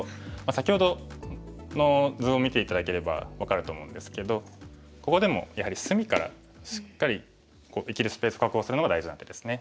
先ほどの図を見て頂ければ分かると思うんですけどここでもやはり隅からしっかり生きるスペースを確保するのが大事な手ですね。